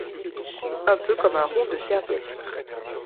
Un peu comme un rond de serviette.